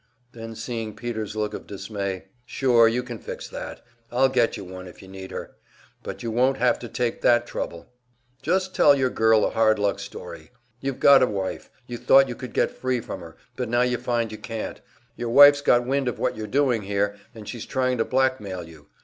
Then, seeing Peter's look of dismay: "Sure, you can fix that. I'll get you one, if you need her. But you won't have to take that trouble just tell your girl a hard luck story. You've got a wife, you thought you could get free from her, but now you find you can't; your wife's got wind of what you're doing here, and she's trying to blackmail you.